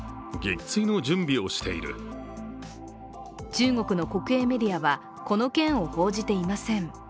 中国の国営メディアは、この件を報じていません。